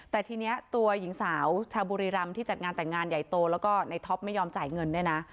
แต่ทีนี้ตัวหญิงสาวชาวบุรีรำที่จัดงานแต่งงานใหญ่โตแล้วก็ในท็อปไม่ยอมจ่ายเงินด้วยนะ